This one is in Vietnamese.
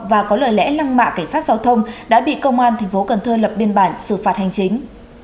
và có lời lẽ lăng mạ cảnh sát giao thông đã bị công an tp cn lập biên bản xử phạt hành chính